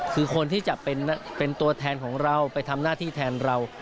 คือคนที่จะเป็นตัวแทนของเราไปทำหน้าที่แทนเรา